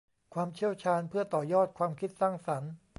ความเชี่ยวชาญเพื่อต่อยอดความคิดสร้างสรรค์